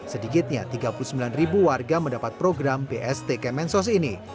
sedikitnya tiga puluh sembilan ribu warga mendapat program bst kemensos ini